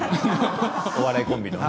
お笑いコンビのね。